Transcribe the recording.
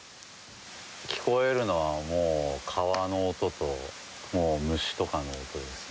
聞こえるのはもう、川の音と、もう虫とかの音ですね。